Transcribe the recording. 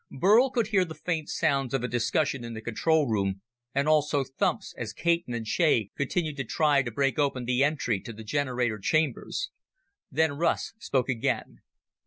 Burl could hear the faint sounds of a discussion in the control room, and also thumps as Caton and Shea continued to try to break open the entry to the generator chambers. Then Russ spoke again.